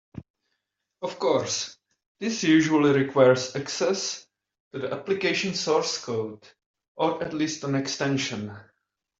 Of course, this usually requires access to the application source code (or at least an extension).